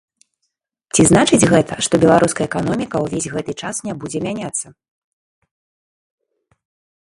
Ці значыць гэта, што беларуская эканоміка ўвесь гэты час не будзе мяняцца?